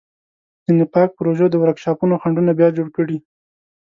د نفاق پروژو د ورکشاپونو خنډونه بیا جوړ کړي.